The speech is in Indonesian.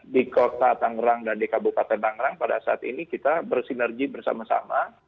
di kota tangerang dan di kabupaten tangerang pada saat ini kita bersinergi bersama sama